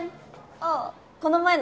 あぁこの前の。